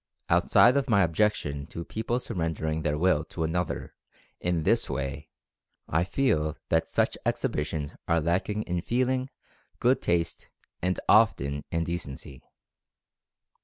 Outside of my objection to people surrender ing their Will to another in this way I feel that. such exhibitions are lacking in feeling, good taste and often in decency.